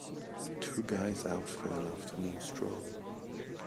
Two guys out for an afternoon stroll